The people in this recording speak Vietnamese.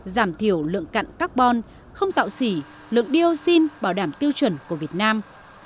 giảm thiểu lượng cạn carbon không tạo xỉ lượng dioxin bảo đảm tiêu chuẩn của việt nam